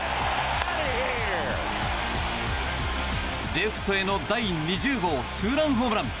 レフトへの第２０号ツーランホームラン。